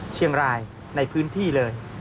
เชียงรายในพื้นที่เลย